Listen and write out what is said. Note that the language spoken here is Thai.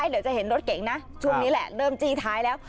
เดี๋ยวจะเห็นรถเก่งนะช่วงนี้แหละเริ่มจี้ท้ายแล้ว